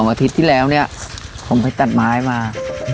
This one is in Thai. อาทิตย์ที่แล้วเนี่ยผมไปตัดไม้มา